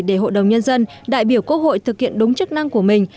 để hội đồng nhân dân đại biểu quốc hội thực hiện đúng chức năng của mình